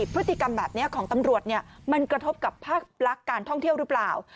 พฤติกรรมแบบนี้ของตำรวจมันกระทบกับภาคลักษณ์การท่องเที่ยวหรือเปล่า